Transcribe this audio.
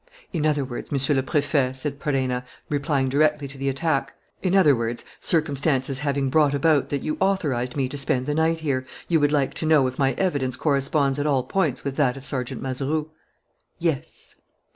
"In other words, Monsieur le Préfet," said Perenna, replying directly to the attack, "in other words, circumstances having brought about that you authorized me to spend the night here, you would like to know if my evidence corresponds at all points with that of Sergeant Mazeroux?" "Yes."